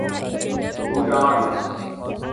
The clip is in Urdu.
بھوٹان